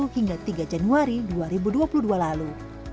dua ribu dua puluh satu hingga tiga januari dua ribu dua puluh dua lalu